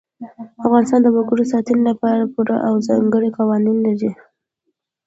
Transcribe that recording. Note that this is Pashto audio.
افغانستان د وګړي د ساتنې لپاره پوره او ځانګړي قوانین لري.